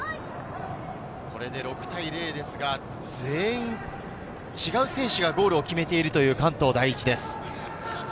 これで６対０ですが、全員違う選手がゴールを決めているという関東第一です。